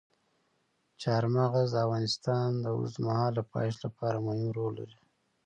چار مغز د افغانستان د اوږدمهاله پایښت لپاره مهم رول لري.